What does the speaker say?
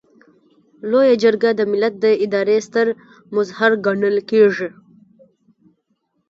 لویه جرګه د ملت د ادارې ستر مظهر ګڼل کیږي.